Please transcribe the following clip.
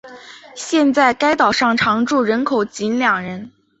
现在该岛上常住人口仅两人。